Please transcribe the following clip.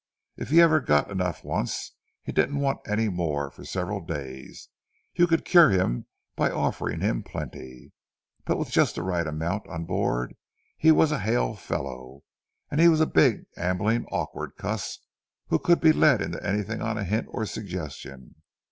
If he ever got enough once, he didn't want any more for several days: you could cure him by offering him plenty. But with just the right amount on board, he was a hail fellow. He was a big, ambling, awkward cuss, who could be led into anything on a hint or suggestion.